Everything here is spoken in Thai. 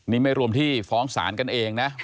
นี่ไม่รวมที่ฟ้องศาลกันเองนะ